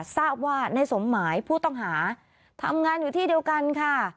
ทราบว่าในสมหมายผู้ต้องหาทำงานอยู่ที่เดียวกันค่ะ